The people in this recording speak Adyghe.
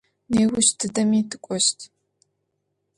Неущ тыдэми тыкӏощт.